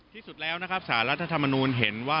ที่สุดแล้วนะครับสารรัฐธรรมนูลเห็นว่า